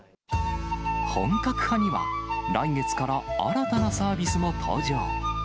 本格派には、来月から新たなサービスも登場。